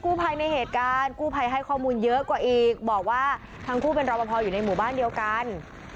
ภัยในเหตุการณ์กู้ภัยให้ข้อมูลเยอะกว่าอีกบอกว่าทั้งคู่เป็นรอปภอยู่ในหมู่บ้านเดียวกัน